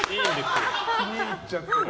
気に入っちゃってね。